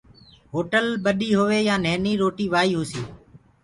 هوٽل ٻڏي هوئي يآن نهيني روٽي وآئي هوسي